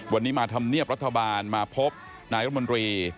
วันนี้มาธรรมเนียบรัฐบาลมาพบนายรมนตรี